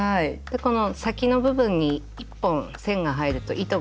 この先の部分に１本線が入ると糸が入るとね